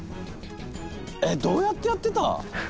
えっどうやってやってた？ハハハ。